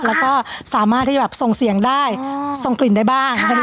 แล้วก็สามารถที่จะแบบส่งเสียงได้ส่งกลิ่นได้บ้าง